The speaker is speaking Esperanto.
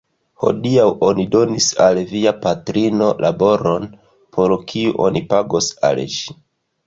Hodiaŭ oni donis al via patrino laboron, por kiu oni pagos al ŝi.